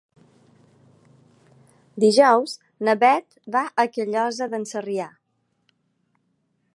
Dijous na Beth va a Callosa d'en Sarrià.